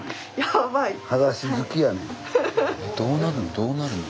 どうなんの？